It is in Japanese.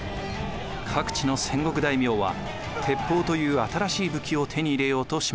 各地の戦国大名は鉄砲という新しい武器を手に入れようとしました。